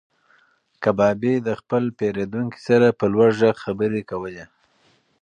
کبابي د خپل پیرودونکي سره په لوړ غږ خبرې کولې.